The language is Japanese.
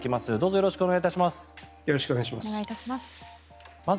よろしくお願いします。